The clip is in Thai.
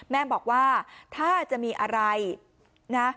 แม่บอกว่าถ้าจะมีอะไรนะ